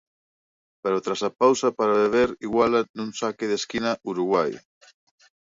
Pero tras a pausa para beber iguala nun saque de esquina Uruguai.